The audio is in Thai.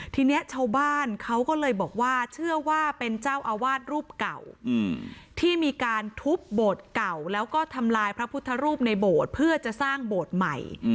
ทีนี้ชาวบ้านเขาก็เลยบอกว่าเชื่อว่าเป็นเจ้าอาวาสรูปเก่าที่มีการทุบโบสถ์เก่าแล้วก็ทำลายพระพุทธรูปในโบสถ์เพื่อจะสร้างโบสถ์ใหม่